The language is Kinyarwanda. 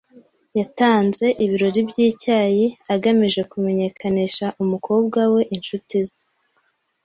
Yatanze ibirori byicyayi agamije kumenyekanisha umukobwa we inshuti ze